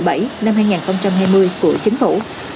hãy đăng ký kênh để ủng hộ kênh của mình nhé